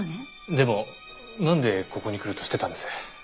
でもなんでここに来ると知ってたんです？